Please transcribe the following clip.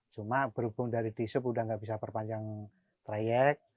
cuma berhubung dari di sob sudah tidak bisa perpanjang trayek